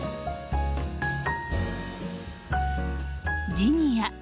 ジニア。